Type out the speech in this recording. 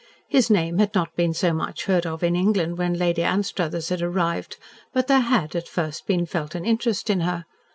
His name had not been so much heard of in England when Lady Anstruthers had arrived but there had, at first, been felt an interest in her.